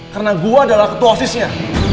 karena gua adalah ketua osisnya